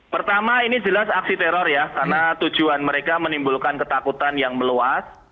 pertama ini jelas aksi teror ya karena tujuan mereka menimbulkan ketakutan yang meluas